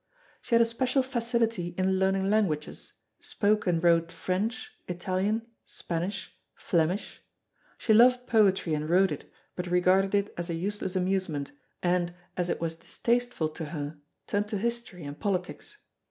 She had a special facility in learning languages; spoke and wrote French, Italian, Spanish, Flemish. She loved poetry and wrote it, but regarded it as a useless amusement and, as it was distasteful to her, turned to history and politics.